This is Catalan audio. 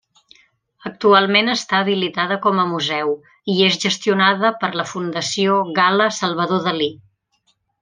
Actualment està habilitada com a museu i és gestionada per la Fundació Gala-Salvador Dalí.